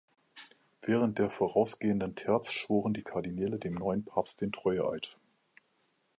Während der vorausgehenden Terz schworen die Kardinäle dem neuen Papst den Treueeid.